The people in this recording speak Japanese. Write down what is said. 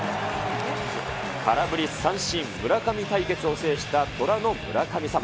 空振り三振、村上対決を制した虎の村神様。